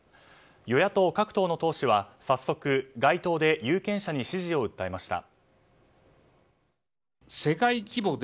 与野党各党の党首は早速、街頭で有権者に支持を訴えました。